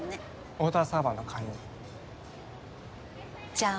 ウォーターサーバーの勧誘じゃあ